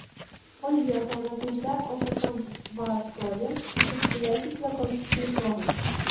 Он ехал, размышляя о Катавасове и предстоящем знакомстве с Метровым.